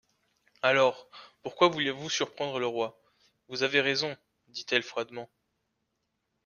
Alors, pourquoi vouliez-vous surprendre le roi ? Vous avez raison, dit-elle froidement.